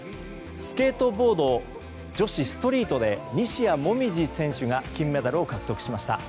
スケートボード女子ストリートで西矢椛選手が金メダルを獲得しました。